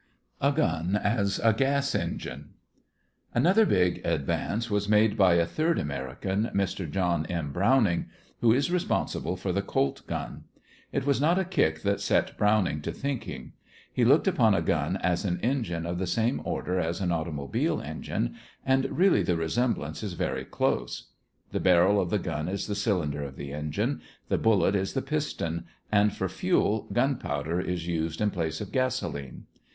A GUN AS A GAS ENGINE Another big advance was made by a third American, Mr. John M. Browning, who is responsible for the Colt gun. It was not a kick that set Browning to thinking. He looked upon a gun as an engine of the same order as an automobile engine, and really the resemblance is very close. The barrel of the gun is the cylinder of the engine; the bullet is the piston; and for fuel gunpowder is used in place of gasolene.